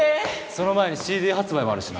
その前にＣＤ発売もあるしな。